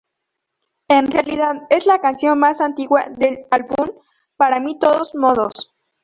En realidad, es la canción más antigua del álbum, para mí de todos modos.